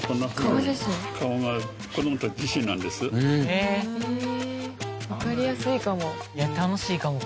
わかりやすいかも。